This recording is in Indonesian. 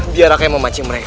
biar raka yang memancing mereka